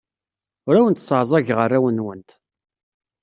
Ur awent-sseɛẓageɣ arraw-nwent.